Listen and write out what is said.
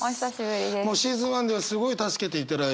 もうシーズン１ではすごい助けていただいて。